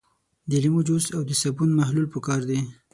د لیمو جوس او د صابون محلول پکار دي.